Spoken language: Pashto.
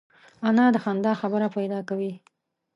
انا د خندا خبره پیدا کوي